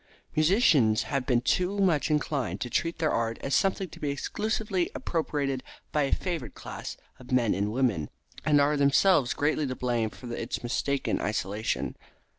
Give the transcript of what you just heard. Musicians have been too much inclined to treat their art as something to be exclusively appropriated by a favored class of men and women, and are themselves greatly to blame for its mistaken isolation.